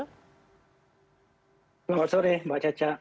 selamat sore mbak caca